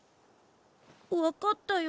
わかったよ。